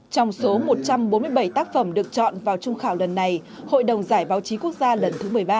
trong số một trăm bốn mươi bảy tác phẩm được chọn vào trung khảo lần này hội đồng giải báo chí quốc gia lần thứ một mươi ba